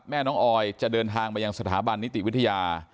แม่น้องออยจะเดินทางมายังสถาบันนิติวิทยา